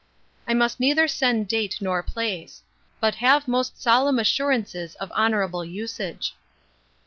'I must neither send date nor place; but have most solemn assurances of honourable usage.